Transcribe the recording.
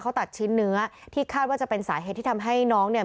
เขาตัดชิ้นเนื้อที่คาดว่าจะเป็นสาเหตุที่ทำให้น้องเนี่ย